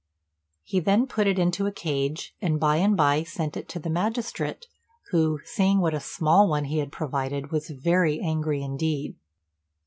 He then put it into a cage, and by and by sent it to the magistrate, who, seeing what a small one he had provided, was very angry indeed.